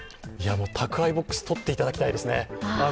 宅配ボックス取っていただきたいですね。